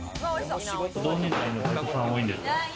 同年代のバイトさんは多いんですか？